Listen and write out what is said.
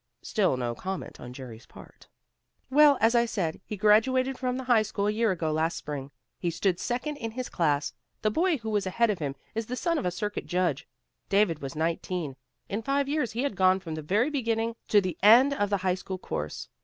Still no comment on Jerry's part. "Well, as I said, he graduated from the high school a year ago last spring. He stood second in his class. The boy who was ahead of him is the son of a circuit judge. David was nineteen. In five years he had gone from the very beginning to the end of the high school course.